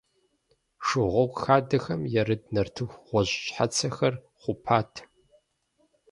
Шыгъуэгу хадэхэм ярыт нартыху гъуэжь щхьэцэхэр хъупат.